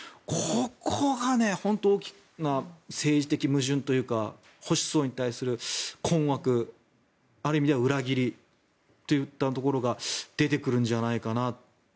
ここが本当に大きな政治的矛盾というか保守層に対する困惑ある意味では裏切りといったところが出てくるんじゃないかな。